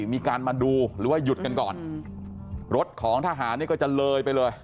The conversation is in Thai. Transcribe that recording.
มีการมาดูหรือว่าหยุดกันก่อนรถของทหารนี่ก็จะเลยไปเลย